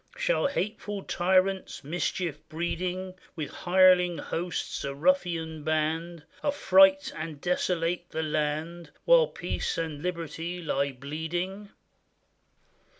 Shall hateful tyrants, mischief breeding, With hireling hosts, a ruffian band, Affright and desolate the land, While peace and liberty lie bleeding?